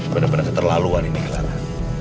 benar benar keterlaluan ini clara